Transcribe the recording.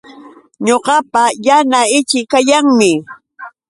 Ñuqapa yana ichii kayanmi